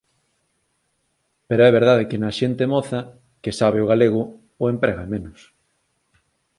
Pero é verdade que na xente moza, que sabe o galego, o emprega menos.